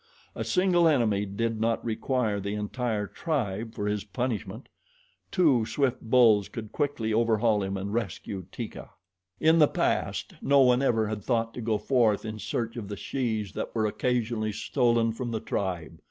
A single enemy did not require the entire tribe for his punishment. Two swift bulls could quickly overhaul him and rescue Teeka. In the past no one ever had thought to go forth in search of the shes that were occasionally stolen from the tribe.